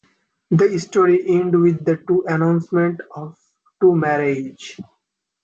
The story ends with the announcement of two marriages.